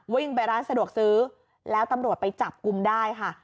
วิ่งไปร้านสะดวกซื้อแล้วตำรวจไปจับกลุ่มได้ค่ะ